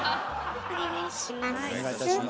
お願いします。